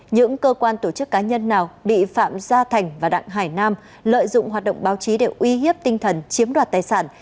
những cơ quan tổ chức cá nhân nào bị phạm gia thành và đảng hải nam lợi dụng hoạt động báo chí để uy hiếp tinh thần chiếm đoạt tài sản